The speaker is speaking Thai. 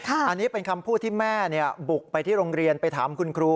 อันนี้เป็นคำพูดที่แม่บุกไปที่โรงเรียนไปถามคุณครู